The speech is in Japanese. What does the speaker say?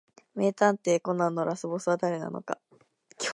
名探偵コナンのラスボスは誰なのか